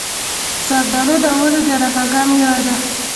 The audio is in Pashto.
زردالو د اوړي ډیره خوږه میوه ده.